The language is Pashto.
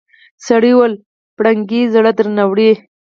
سړي وويل پرنګۍ زړه درنه وړی.